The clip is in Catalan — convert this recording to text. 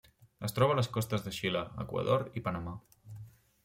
Es troba a les costes de Xile, Equador i Panamà.